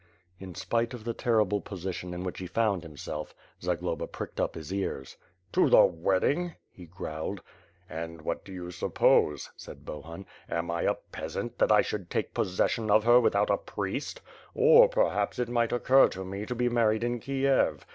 In spite of the terrible position in which he found himself, Zagloba pricked up his ears: "To the wedding?" he growled. "And what do you supposed* said Bohun. "Am I a peas ant that I should take possession of her without a priest? Or, perhaps it might occur to me to be married in Kiev.